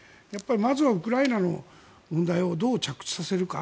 まずはウクライナの問題をどう着地させるか。